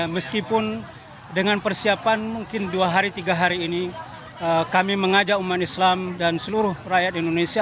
meskipun dengan persiapan mungkin dua hari tiga hari ini kami mengajak umat islam dan seluruh rakyat indonesia